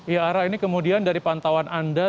iaara ini kemudian dari pantauan anda